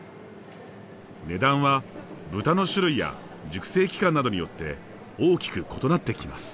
値段は豚の種類や熟成期間などによって大きく異なってきます。